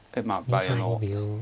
まあ場合の。